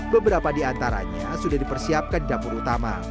beberapa di antaranya sudah dipersiapkan dapur utama